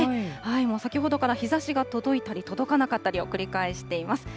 先ほどから日ざしが届いたり届かなかったりを繰り返しています。